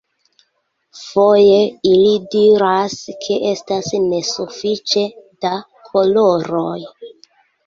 Foje, ili diras ke estas nesufiĉe da koloroj.